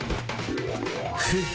フッ！